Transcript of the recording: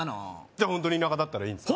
ホントに田舎だったらいいんですか？